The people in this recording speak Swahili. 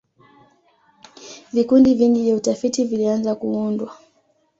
vikundi vingi vya utafiti vilianza kuundwa